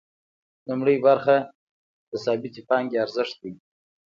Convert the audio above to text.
لومړۍ برخه د ثابتې پانګې ارزښت دی